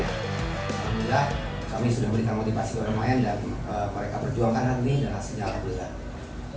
alhamdulillah kami sudah memberikan motivasi kepada pemain dan mereka berjuangkan ini dalam senjata perjuangan